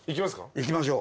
いきましょう。